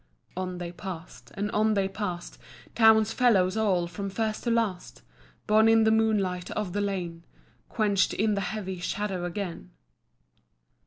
On they pass'd, and on they pass'd; Townsfellows all, from first to last; Born in the moonlight of the lane, Quench'd in the heavy shadow again.